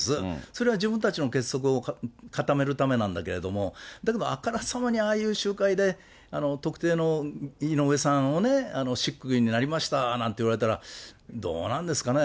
それは自分たちの結束を固めるためなんだけれども、だけどあからさまにああいう集会で、特定の井上さんをね、食口になりましたなんて言われたら、どうなんですかね。